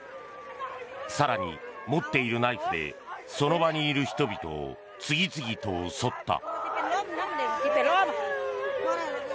更に持っているナイフでその場にいる人々を次々と襲った。